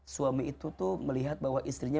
suami itu tuh melihat bahwa istrinya